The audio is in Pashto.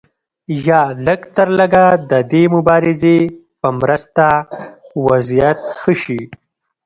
یا لږترلږه د دې مبارزې په مرسته وضعیت ښه شي.